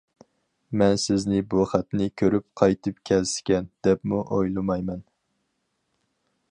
مەن سىزنى بۇ خەتنى كۆرۈپ، قايتىپ كەلسىكەن، دەپمۇ ئويلىمايمەن.